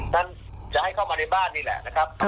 ท่านจะให้เข้ามาในบ้านนี่แหละนะครับ